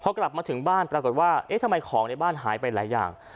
พอกลับมาถึงบ้านปรากฏว่าเอ๊ะทำไมของในบ้านหายไปหลายอย่าง